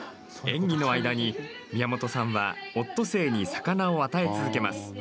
演技の間に宮本さんはオットセイに魚を与え続けます。